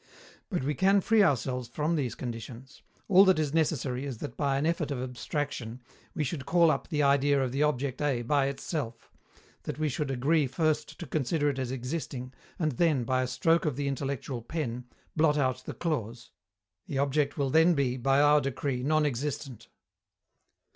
But we can free ourselves from these conditions; all that is necessary is that by an effort of abstraction we should call up the idea of the object A by itself, that we should agree first to consider it as existing, and then, by a stroke of the intellectual pen, blot out the clause. The object will then be, by our decree, non existent."